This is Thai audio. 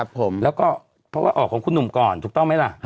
ผมก็เพราะว่าออกของคุณหนุ่มก่อนถูกต้องไหมล่ะ